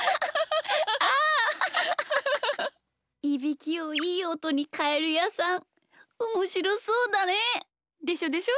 いびきをいいおとにかえるやさんおもしろそうだねえ。でしょでしょ？